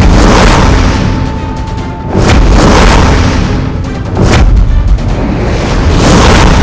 terima kasih raden